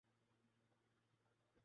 نہ اخبار میں بیان چھپواتے ہیں۔